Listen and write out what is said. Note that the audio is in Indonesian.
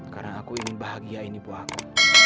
karena aku ingin bahagiain ibu aku